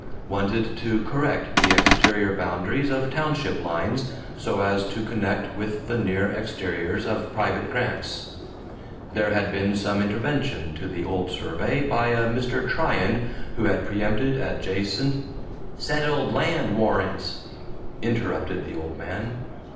Wanted to correct the exterior boundaries of township lines, so as to connect with the near exteriors of private grants. There had been some intervention to the old survey by a Mr. Tryan who had preempted adjacent "settled land warrants," interrupted the old man.